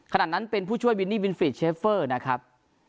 ขณะนั้นเป็นผู้ช่วยวินนี่วินฟรีดเชฟเฟอร์นะครับ